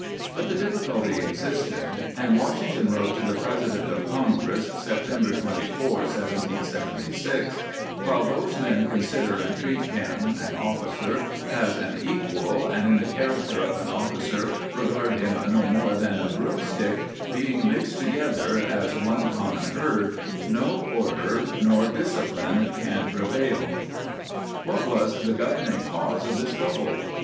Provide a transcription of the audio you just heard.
But the difficulty existed, and Washington wrote to the president of Congress, September 24, 1776: "While those men consider and treat him [an officer] as an equal, and, in the character of an officer regard him no more than a broomstick, being mixed together as one common herd, no order nor dis cipHne can prevail." * What was the governing cause of this trou ble?